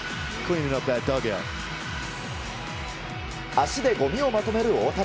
足でごみをまとめる大谷。